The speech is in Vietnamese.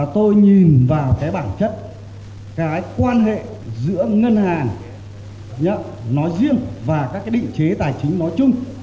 tôi nhìn vào cái bản chất cái quan hệ giữa ngân hàng nhận nói riêng và các cái định chế tài chính nói chung